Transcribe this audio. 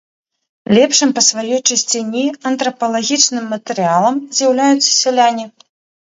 Лепшым па сваёй чысціні антрапалагічным матэрыялам з'яўляюцца сяляне.